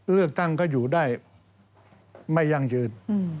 เลือกตั้งก็อยู่ได้ไม่ยั่งยืน